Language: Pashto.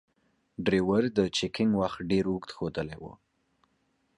ډریور د چکینګ وخت ډیر اوږد ښودلای و.